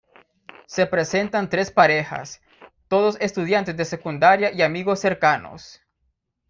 Se presentan tres parejas, todos estudiantes de secundaria y amigos cercanos.